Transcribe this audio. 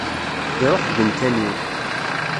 Iruḥ deg umkan-iw.